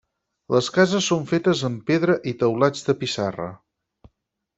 Les cases són fetes amb pedra i teulats de pissarra.